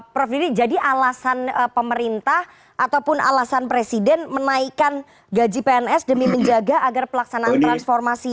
prof didi jadi alasan pemerintah ataupun alasan presiden menaikkan gaji pns demi menjaga agar pelaksanaan transformasi